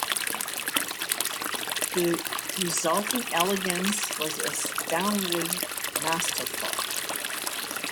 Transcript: The resulting elegance was astoundingly masterful.